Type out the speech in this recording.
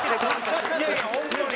いやいや本当に。